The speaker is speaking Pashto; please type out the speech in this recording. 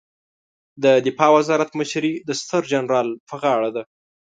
د دفاع وزارت مشري د ستر جنرال په غاړه ده